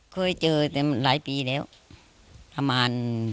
เคยเจอแต่หลายปีแล้วประมาณ